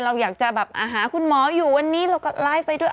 เราอยากจะแบบหาคุณหมออยู่วันนี้เราก็ไลฟ์ไปด้วย